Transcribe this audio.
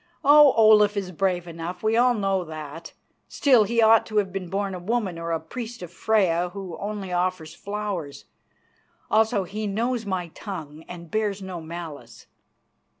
Oh, Olaf is brave enough, we all know that! Still, he ought to have been born a woman or a priest of Freya who only offers flowers. Also, he knows my tongue and bears no malice."